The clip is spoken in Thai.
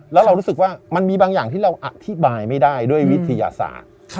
แล้วเรารู้สึกว่ามันมีบางอย่างที่เราอธิบายไม่ได้ด้วยวิทยาศาสตร์